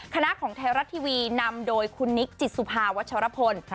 คณะของไทยรัฐทีวีนำโดยคุณนิกจิตสุภาวัชรพล